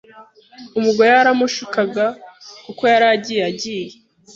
Umugore yaramushukaga kuko yari agiye agiye.